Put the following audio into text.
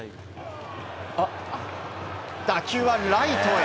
打球はライトへ。